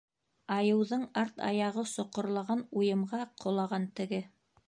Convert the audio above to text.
Айыуҙың арт аяғы соҡорлаған уйымға ҡолаған теге.